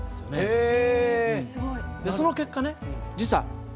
へえ。